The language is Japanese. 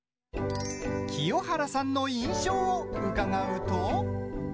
清原さんの印象を伺うと。